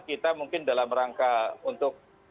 kita mungkin dalam rangka untuk